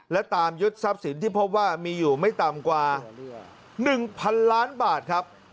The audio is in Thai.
และตามยึดทรัพย์สินที่พบว่ามีอยู่ไม่ต่ำกว่า๑๐๐๐ล้านบาทครับ